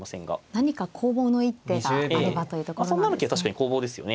何か攻防の一手があればというところなんですね。